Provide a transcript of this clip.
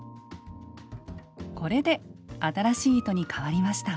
これで新しい糸にかわりました。